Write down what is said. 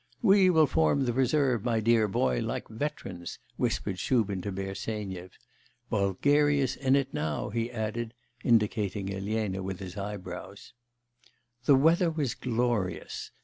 'We will form the reserve, my dear boy, like veterans,' whispered Shubin to Bersenyev. 'Bulgaria's in it now!' he added, indicating Elena with his eyebrows. The weather was glorious.